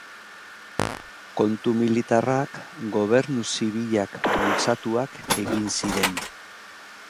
Kontu militarrak, gobernu zibilak bultzatuak egin ziren.